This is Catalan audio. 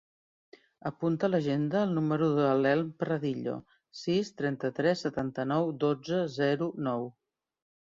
Apunta a l'agenda el número de l'Elm Pradillo: sis, trenta-tres, setanta-nou, dotze, zero, nou.